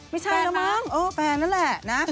ไม่ใช่แล้วมั้งแฟนนั่นแหละนะ